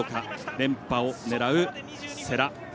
連覇を狙う世羅。